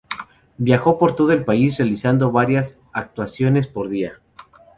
Viajó por todo el país, realizando varias actuaciones por día.